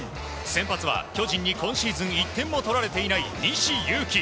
先発は巨人に今シーズン１点も取られていない西勇輝。